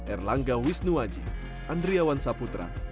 erlangga wisnuwaji andriawan saputra